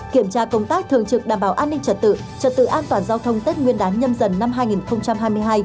kiểm tra công tác thường trực đảm bảo an ninh trật tự trật tự an toàn giao thông tết nguyên đán nhâm dần năm hai nghìn hai mươi hai